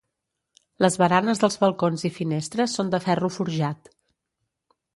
Les baranes dels balcons i finestres són de ferro forjat.